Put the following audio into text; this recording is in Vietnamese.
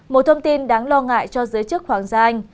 một thông tin đáng lo ngại cho giới chức hoàng gia anh